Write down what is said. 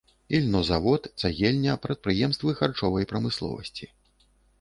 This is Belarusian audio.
Ільнозавод, цагельня, прадпрыемствы харчовай прамысловасці.